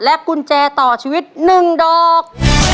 กุญแจต่อชีวิต๑ดอก